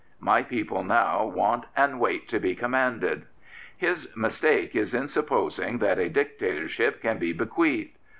My people now want and wait to be commanded." His mistake is in supposing that a dictatorship can be bequeathed.